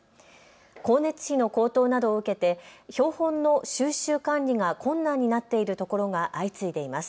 光熱費の高騰などを受けて標本の収集・管理が困難になっているところが相次いでいます。